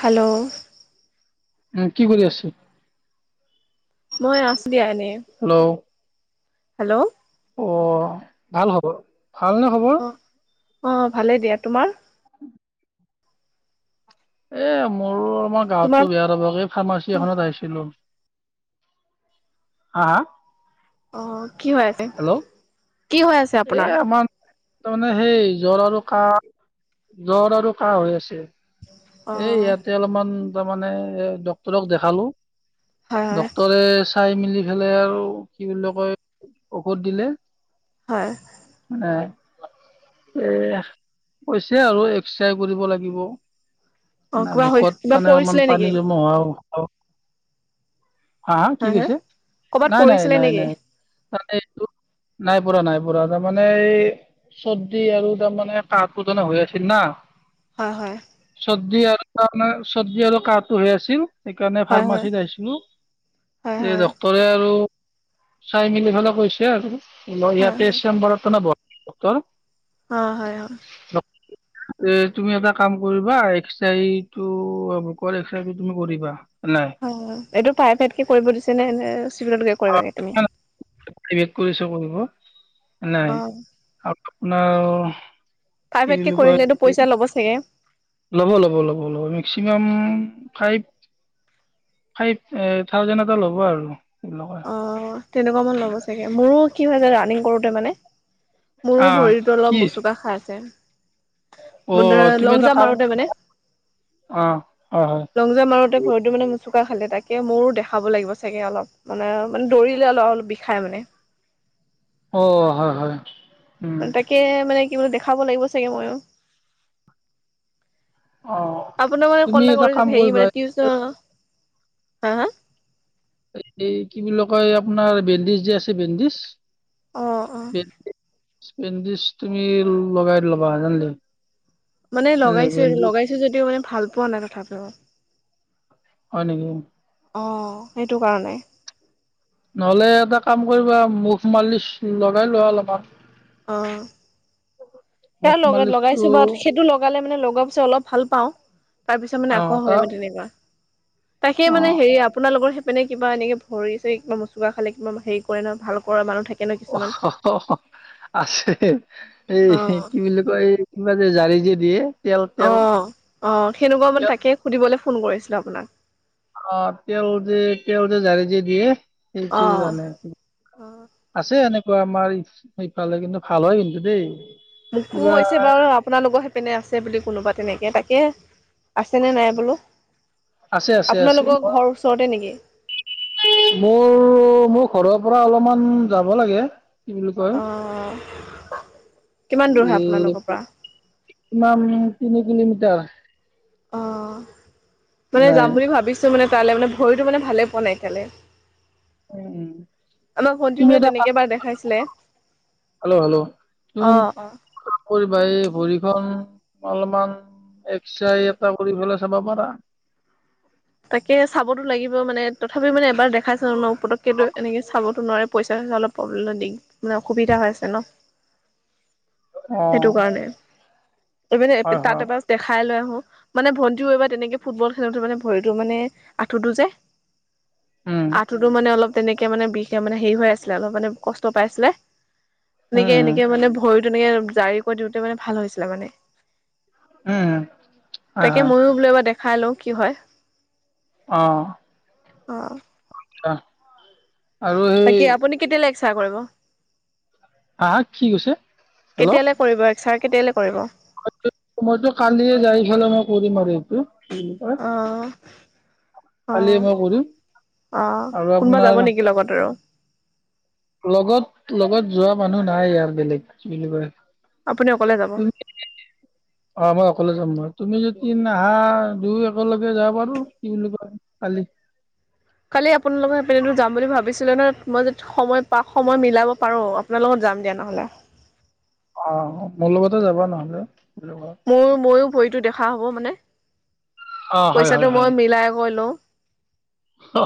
Hello উম কি কৰি আছে? মই আছ দিয়া এনে। হেল্ল'। হেল্ল'। অ' ভাল খবৰ। ভালনে খবৰ? ভালেই দিয়া, তোমাৰ? [inaudible] এ মোৰো অলমান তোমাৰ গাতো বেয়া, ৰ'ব ফাৰ্মাচী এখনত আহিছিলো। হা হা? অ' কি হৈ আছে? হেল্ল' কি হৈ আছে আপোনাৰ? তাৰ মানে সেই জ্বৰ আৰু কাহ, জ্বৰ আৰু কাহ হৈ আছে। অ এ ইয়াতে অলপমান তাৰমানে, এ ডক্তৰক দেখালো। হয় হয় ডক্তৰে চাই মেলি পেলাই আৰু, কি বুলি কয় ঔষধ দিলে। হয় [unintelligible] এ কৈছে আৰু এক্সৰে কৰিব লাগিব। অ মানে কিবা হৈ ভোকত, কিবা তাৰমানে অকমান পৰিছিলে পানী নেকি জমা হোৱা [unintelligible] হা হা কি কৈছে? কৰ'বাত নাই নাই, পৰিছিলে নাই নেকি নাই। তাত এটো নাই পুৰা নাই পুৰা। তাৰমানে এই। চৰ্দি আৰু তাৰমানে কাহটো টানে হৈ আছিল না! হয় হয়। চৰ্দি আৰু কাহ মানে, চৰ্দি আৰু কাহটো হৈ আছিল। সেইকাৰণে হয় হয় ফাৰ্মাচীত আহিছিলোঁ, হয় এ হয় ডক্তৰে আৰু। চাই মেলি ফালে কৈছে আৰু, হয় ইয়াতে হয় চেম্বৰত বহে ডক্তৰ। অ হয় হয়। এ তুমি এটা কাম কৰিবা এক্সাৰিটো, বুকৰ এক্সাৰিটো তুমি কৰিবা। নাই হয়, হয়। এইটো প্ৰাইভেটকে কৰিব দিছে নে? নে চিভিলত গৈ কৰিবাগে তুমি [unintelligible] এ কৰি [unintelligible] অ নাই [unintelligible] প্ৰাইভেটকে বুলি কয় কৰিলেতো পইচা ল'ব চাগে! ল'ব, ল'ব, ল'ব, ল'ব। Maximum five. ফাইভ থাউজেণ্ড এটা ল'ব আৰু। তেনেকুৱা। তেনেকুৱামান ল'ব চাগে, মোৰো কি হয় যে ৰাণিং কৰোতে মানে। মোৰো অঁ ভৰিটো অলপ কি মোচুকা খাইছে। মোৰ অঁ দ্বাৰা তুমি এটা লং-জাম্প কাম মাৰোতে মানে অঁ হয় হয় লং-জাম্প মাৰোতে ভৰিটো মানে। চুকা খালে। তাকে মোৰো দেখাব লাগিব চাগে অলপ। মানে, মানে দৌৰিলে অলপ-অলপ বিষাই মানে! অ' হয় হয়। মানে তাকে মানে কি দেখাব লাগিব চাগে ময়ো। অঁ আপোনাৰ মানে তুমি কল এটা কাম কৰিহে কৰিবা মানে [unintelligible] হা হা? এই কি বুলি কয় আপোনাৰ বেণ্ডেজ যে আছে, বেণ্ডেজ। অ অ বে। বেণ্ডেজ তুমি লগাই ল'বা জল্দি। মানে লগাইছো। এইটো লগাইছো যদিও মানে ভাল পোৱা নাই তথাপিও। হয় নেকি? অ' সেইটোকাৰণে। নহ'লে এটা কাম কৰিবা, মুভ-মালিচ লগাই লোৱা অলপমান। অ'। মুভ সেয়া লগত মালিচটো লগাইছো বাট, সেইটো লগালে। মানে লগোৱাৰ পিছত অলপ ভাল পাওঁ, তাৰ পিছত মানে অঁ আকৌ হয় তাৰ মানে তেনেকুৱা। তাকে মানে অঁ হেৰি আপোনাৰ লগৰ সেই মানে কিবা এনেকে ভৰি-চৰি কিবা মোচোকা খালে, কিবা হেৰি কৰে ন ভাল কৰা মানুহ থাকে ন কিছুমান অ' আছে এই অ কি বুলি? এইমান যে জাৰি যে দিয়ে। তেল তেল অ' অ, সেনেকুৱা মানে তেল তাকে সুধিবলৈ ফোন কৰিছিলো আপোনাক। অ' তেওঁ যে তেওঁ যে জাৰি যে দিয়ে। অ সেইটোও জানে কি অ আছে এনে আমাৰ ইফালে কিন্তু ভাল হয়, কিন্তু দেই। মোকো কিবা কৈছে বাৰু আপোনালোকৰ স--। পিনে আছে বুলি কোনোবা তেনেকৈ, তাকে আছেনে নাই বোলো। আছে, আছে, আছে। আপোনালোকৰ ঘৰ ওচৰতে নেকি মোৰ মোৰ ঘৰত--। পৰা অলপমান যাব লাগে। কি আহঁ। এ মান তিনি কিলোমিটাৰ অ' মানে নাই যাম বুলি ভাবিছো মানে। তালৈ মানে ভৰিটো মানে ভালে পোৱা নাই ইফালে। উম, আমাক ভন্টি তুমি মো এটা কাম- তেনেকে বাৰ দেখাইছিলে। হেল্ল' অ অ হেল্ল'। কৰিব ভৰিখন অলপমান এক্সাই এটা কৰি পেলাই চাব পাৰা। অ। তাকে চাবতো লাগিব মানে তথাপি মানে এবাৰ দেখাইছা ন পতককেতো এনেকে চাবতো নোৱাৰে। পইচা- চইচা অলপব্লে দি মানে অসুবিধা হৈ আছে ন। অ সেইটো কাৰণে। এইবানে হয় তাত হয় এবাৰ দেখাই লৈ আহো মানে ভন্ণ্টিও বা তেনেকে ফুটবল খেলোতে মানে ভৰিটো মানে আঁঠুটো যে উম আঁঠুতো মানে অলপ তেনেকে মানে বিষে মানে হেৰি হৈ আছিলে অলপ মানে কষ্ট পাই আছিলে। উম এনেকে উম এনেকে উম মানে ভৰিতো এনেকে জাৰি কৰি দিওঁতে মানে ভাল হৈছিলে মানে। উম, হয়, হয়। চাই লও'। কি হয়? অ। অ। অ। বাকি আপুনি কেতিয়ালৈ এক্স কৰিব? আহ কি কৈছে? হেল্ল'। কেতিয়ালৈ কৰিব এক্সাৰ কেতিয়ালৈ কৰিব। মইতো কালিয়ে যাইফালে মই কৰিম আৰু এইটো কি বুলি কয়। অ কালিয়ে অ' মই কৰিম অ, আৰু কোনোবা আপোনাৰ যাব নেকি লগত আৰু। লগত লগত যোৱা মানুহ নাই ই বেলেগ বুলি কয়। আপুনি অকলে যাব অ' মই অকলে যাম মই। তুমি যদি অহা দুই একেলগে যাব পাৰো কি বুলি কয় কালি। কালি আপোনালোকৰ সেইপিনেতো যাম বুলি মই ভাবিছিলো য সময় পা সময় মিলাব পাৰো আপোনাৰ লগত যাম দিয়া নহ'লে। অ' মোৰ লগতে যাবা নহলে। মোৰ ময়ো ভৰিতটো দেখা হ'ব মানে। অ', হয়, হয়, পইচাটো হয়, মই মিলাই কৈ লওঁ। অ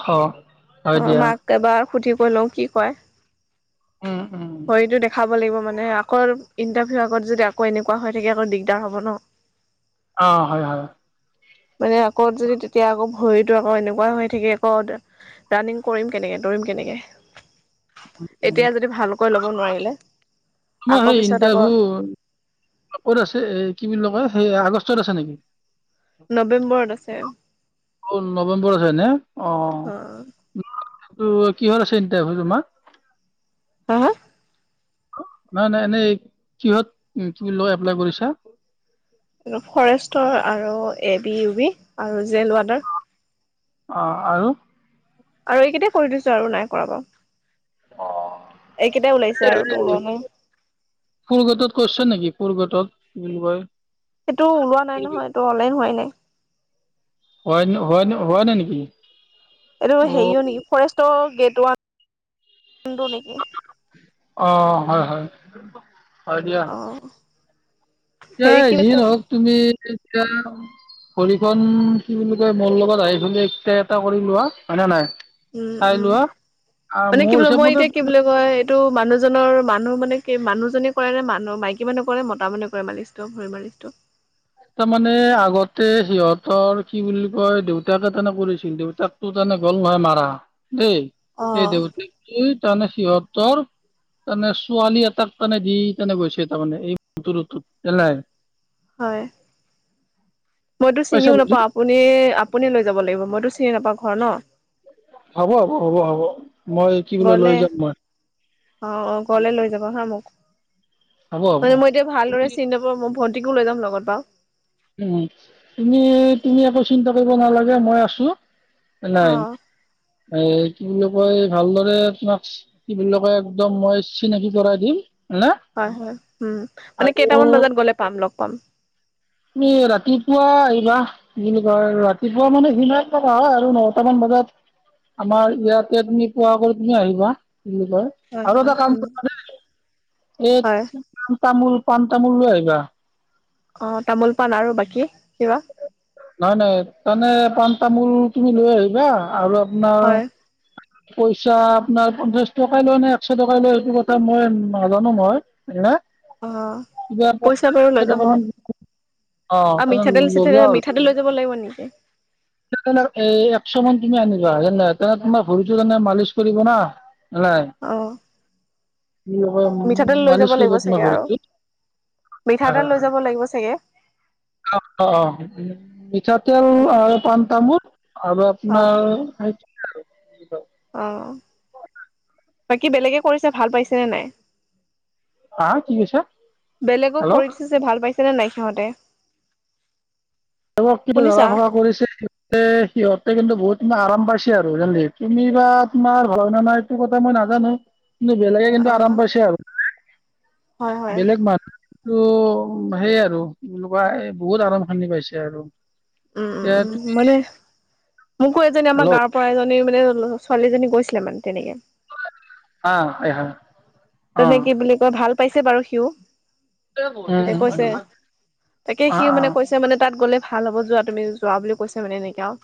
অ হয় দিয়া মাক । এবাৰ সুধি কৈ লওঁ কি কয় উম, উম, ভৰিতটো দেখাব। মানে আকৌ ইনটাৰভিউ আগত যদি আকৌ এনেকুৱা হৈ থাকে আকৌ দিগদাৰ হ'ব ন। অ হয় হয়। মানে আকৌ যদি তেতিয়া আকৌ ভৰিতো আকৌ এনেকুৱা হৈ থাকে আকৌ ৰাণিং কৰিম কেনেকে। আত কেনেক এতিয়া যদি ভালকৈ ল'ব নোৱাৰিলে। আমাৰ আকৌ সেই পিছত আকৌ ইণ্টাৰভিউ কত আছে। কি বুলি ক কয় সেই আগষ্টত আছে নেকি। নৱেম্বৰত আছে। নৱেম্বৰ হয় ন অ। হা হা ত কিহল আ চিন্তাই তোমাক [unintelligible] হা হা নাই নাই এনেই কিহত কি ল এপ্লাই কৰিছা? এই ফৰেষ্টৰ আৰু এ বি ইউ বি আৰু জেল ৱডাৰ। অঁ আৰু? আৰু এইকেইটাই কৰি দিছো আৰু নাই কৰাব অ তো ওলোৱা নাই ফুৰ গটত কৈছ নেকি কৰ গটত কি বুলি কয় সেইটো ওলোৱা নাই নহয় এইটো অনলাইন হোৱাই নাই। হয়ন হোৱা ন হোৱা নাই নেকি এইটো অ', হেৰিও নেকি ফৰেষ্টৰ গেট ওৱানটো নেকি অ হয় হয় আহ এই যি নওক তুমি এতিয়া খৰিখন কি বুলি কয় মোৰ লগত আহি ফ এক এটা কৰি লোৱা হয়না নহয় উম উম মানে কি মোৰ বুলি হিচাপ মই মতে এতিয়া কি বুলি কয় এইটো মানুহ মানুহ জনৰ মানুহ মানে কি মানুহজনে কৰে নে মানুহ মাইকী মানুহ কৰে নে মতা মানুহ কৰে মালিচটো ভৰি মালিচটো তাৰমানে আগতে সিহঁতৰ কি বুলি কয় দেউতাকে তেনে কৰিছিল দেউতাকটো তানে গল ভাই মাৰা দেই অ এই দেউতাক তাৰমানে সিহঁতৰ তাৰমানে ছোৱালী এটাক তানে দি তেনে গৈছে তাৰ মমানে এই ত ন নাই হয় মইতো পাইছা চিনিও বুজি নাপাওঁ আপুনি আপুনি লৈ যাব লাগিব মইতো চিনি নাপাওঁ ঘৰ ন। হ'ব হ'ব হ'ব হ'ব মই কি বোলে লৈ ঘৰলে যাম মই অ অ ঘৰলে লৈ যাবা হা মোক হ'ব হ'ব মানে মই এতিয়া ভালদৰে তুমি চিনি নাপাওঁ, মই ভণ্টিকো লৈ যাম লগত বাও উ তুমি তুমি একো চিন্তা কৰিব নালাগে মই আছো অ নাই এ কি বুলি কয় ভালদৰে তোমাক কি বুলি কয় একদম মই চিনাকি কৰাই দিম হা হয় হয় উম মানে আৰু কেইটামান বজাত গ'লে পাম লগ পাম ম ৰাতিপুৱা আহিবা। কি বুলি কয় ৰাতিপুৱা মানে সিমাই লগা হয় আৰু নটা মান ব আমাৰ ইয়াতে তুমি পোৱা কৰি তুমি আহিবা। কি বুলি কয় হয় আৰু হয় এটা উম কামে হয় এক পান তামোল পান তামুল লৈ আহিবা। অ তামোল পান আৰু বাকী কিবা! নহয় নহয় তামানে পাণ তামোল তুমি লৈ আহিবা আৰু আপোনাৰ হয় পইচা আপোনাৰ পঞ্চাশ টকাই লয় নে একশ টকাই লয় সেইটো কথা মই নাজানো মই অ কিবা পইচা পঞ্চাশ বাৰু একশ লৈ যাম টকা বাও। মান অ আৰু তেনে মিঠাতেল ল'ব চিঠাতেল আৰু মিঠা তেল লৈ যাব লাগিব নেকি? চবন তুমি আনিবা যেনে তেনে তোমাৰ ভৰিটো তেনে মালিচ কৰিব না নাই অ কি মিঠাতেল লৈ যাব মালিচ লাগিব কৰিব তোমাৰ চাগে আৰু শৰিটোত মিঠাতেল লৈ যাব লাগিব চাগে? অ অ অ মিঠাতেল আৰু পাণ তামোল। আৰু অ আপোনাৰ সেইটো আৰু অ বাকী বেলেগে কৰিছে ভাল পাইছে নে নাই? হা কি কৈছা বেলেগক হেল্ল' কৰি দিছে যে ভাল পাইছেনে নাই সিহঁতে? তেওঁক কিন্তু ধাৰা শুনিছা ফকা কৰিছে সিহঁতে কিন্তু বহুত আৰাম পাইছে আৰু জানিলি। তুমি বা তোমাৰ হয় ন নাই এইটো কথা মই নাজানো কিন্ত বেলেগে অ কিন্তু আৰাম পাইছে হয় আৰু হয় বেলেগ মানুহ ত সেই আৰু এনেকুৱা বহুত আৰামখানি পাইছে আৰু উম উম উম এতিয়া মানে মোকো এজনী আমাৰ হেল্ল' গাঁৱৰ পৰা এজনী মানে মানে ছোৱালীজনী গৈছিলে মানে তেনেকে অহ অহ তেনেকে কি বোলি কয় ভাল পাইছে বাৰু সি উম ঐ উম কৈছে উম তাকে অ সিও অ মানে কৈছে মানে তাত গ'লে ভাল হ'ব যোৱা তুমি যোৱা বুলি কৈছে মানে এনেকে আৰু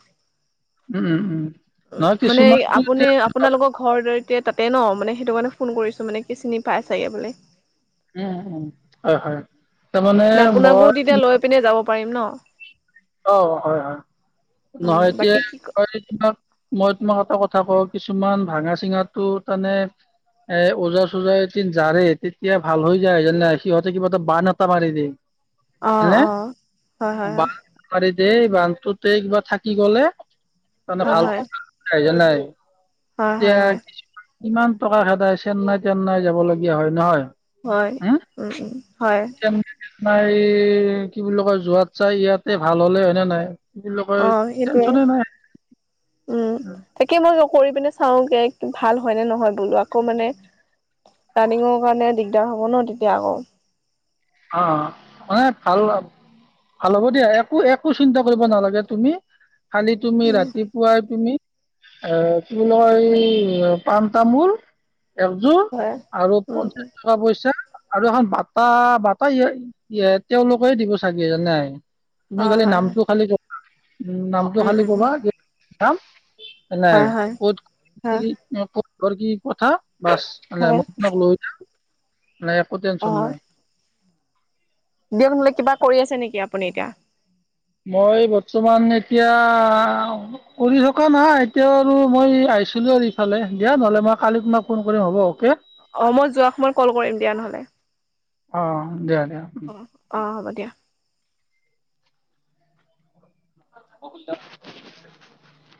উম উম উম নহয় অ মানে কিছুমানতো আপুনি এতিয়া আপোনালোকৰ ঘৰ জৰিতে তাত থাকে ন মানে সেইটো কাৰণে ফোন কৰিছো মানে কি চিনি পাই চাগে বোলে উ হয় হয় তাৰমানে নে আপোনাকো তেতিয়া মই লৈ পিনে যাব পাৰিম ন অ হয় হয় উম নহয় এতিয়া বাকী কি ক মই তোমাক এটা কথা কওঁ কিছুমান ভাঙা চিঙাটো টানে এ ওজা চোজা জাৰে তেতিয়া ভাল হৈ যায় জান নাই সিহঁতে কিবা এটা বান এটা মাৰি দিয়ে অ অ হয় হয় হয় পাৰি দেই বানটোতে কিবা থাকি গলে মানে হয় হয় ভাল হয় জ [unintelligible] নাই হয় হয় হয় কিমান টকা খেদায় চেন্নাই তেন্নাই যাবলগীয়া হয় নহয় হয় উম উম হয় তোৰ এই কি বুলি কয় যোৱাত চাই ইয়াতে ভাল হ'লে হয়নে নাই কি বুলি কয় অ সেইটোৱে টেনচনে নাই উম তাকে মই কৰি পিনে চাওঁগে ভাল হয় নে নহয় বোলো আকৌ মানে ৰানিং কাৰণেই দিগদাৰ হ'ব ন তেতিয়া আকৌ অ মানে ভাল ভাল হ'ব দিয়া একো একো চিন্তা কৰিব নালাগে তুমি খালি তুমি উম ৰাতিপুৱাই তুমি আহ কি বুলি এই পাণ তামোল একযোৰ হয় আৰু উম পঞ্চাশ উম টকা পইচা আৰু এখন বঁটা পাই এতেওঁলোকে দিব চাগে এজানাই তুমি অ খালি হয় হয় নামটো খালি উম নামটো উম খালি উম উম ক'বা কত কাম নাই হয় হয় ক'ত কত কি হয় কি আগৰ কি কথা বাছ মানে হয় মই তোমাক লৈ যোৱা নাই একো টেনচন নাই বিয়াখলে কিবা কৰি আছে নেকি আপুনি এতিয়া মই বৰ্তমান এতিয়া কৰি থকা নাই এতিয়া আৰু মই পাইছিলো আৰু ইফালে দিয়া নহ'লে মই কালি তোমাক ফোন কৰিম হ'ব অ'কে অ মই যোৱা সময়ত কল কৰিম দিয়া নহলে অ দিয়া দিয়া অ অ হ'ব দিয়া [unintelligible]